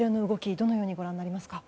どのようにご覧になりますか。